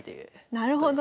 なるほど。